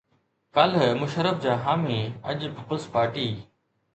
ڪالهه مشرف جا حامي اڄ پيپلز پارٽي